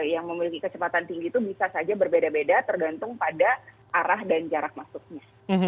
yang memiliki kecepatan tinggi itu bisa saja berbeda beda tergantung pada arah dan jarak masuknya